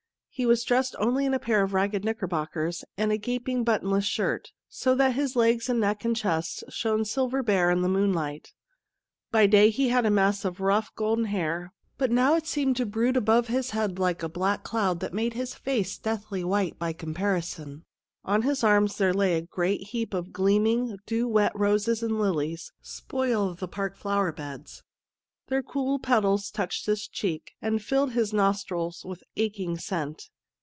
He was dressed only in a pair of ragged knickerbockers and a gaping buttonless shirt, so that his legs and neck and chest shone silver bare in the moonlight. By day he had a mass of rough golden hair, but now it seemed to brood above his head like a black cloud that made his face deathly white by comparison. On his arms there lay a great heap of gleaming dew wet roses and lilies, spoil of the park flower beds. Their cool petals touched his cheek, and filled his nostrils with aching scent.